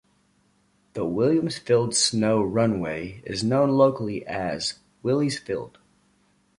The Williams Field snow runway is known locally as Willy's Field.